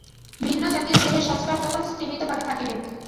ভিন্ন জাতীয় দেহের সংস্কার তখন স্তিমিতভাবে থাকিবে।